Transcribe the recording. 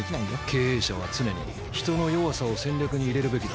経営者は常に人の弱さを戦略に入れるべきだ。